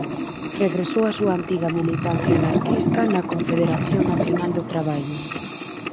Regresou á súa antiga militancia anarquista na Confederación Nacional do Traballo.